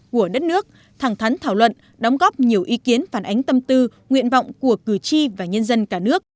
của đất nước thẳng thắn thảo luận đóng góp nhiều ý kiến phản ánh tâm tư nguyện vọng của cử tri và nhân dân cả nước